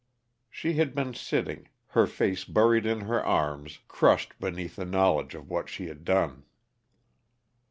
She had been sitting, her face buried in her arms, crushed beneath the knowledge of what she had done.